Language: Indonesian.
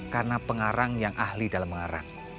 karena pengarang yang ahli dalam mengarang